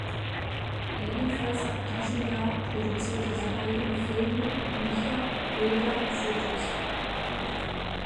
Ebenfalls ab diesem Jahr produzierte sie eigene Filme, Bücher, Bilder und Fotos.